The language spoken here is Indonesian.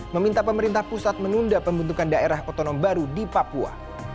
meminta pemerintah pusat menunda pembentukan daerah otonom baru di papua